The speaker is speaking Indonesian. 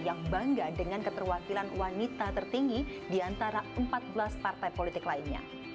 yang bangga dengan keterwakilan wanita tertinggi di antara empat belas partai politik lainnya